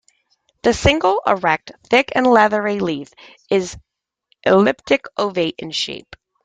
The single, erect, thick, leathery leaf is elliptic-ovate in shape.